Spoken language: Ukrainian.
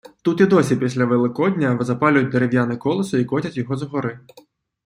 Тут і досі після Великодня запалюють дерев’яне колесо і котять його з гори.